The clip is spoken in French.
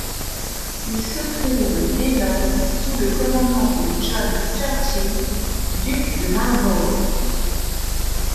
Il se trouve dès lors sous le commandement de John Churchill, duc de Marlborough.